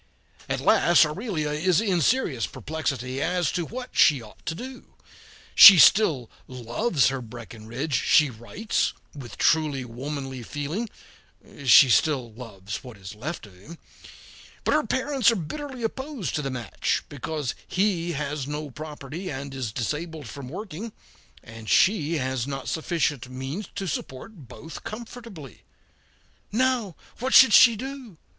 At last Aurelia is in serious perplexity as to what she ought to do. She still loves her Breckinridge, she writes, with truly womanly feeling she still loves what is left of him but her parents are bitterly opposed to the match, because he has no property and is disabled from working, and she has not sufficient means to support both comfortably. "Now, what should she do?"